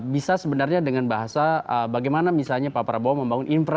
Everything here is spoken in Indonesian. bisa sebenarnya dengan bahasa bagaimana misalnya pak prabowo membangun infrastruktur